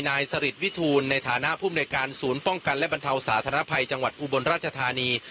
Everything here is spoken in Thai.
นายสริตวิทูลในฐานะภูมิในการศูนย์ป้องกันและบรรเทาสาธารณภัยจังหวัดอุบลราชธานี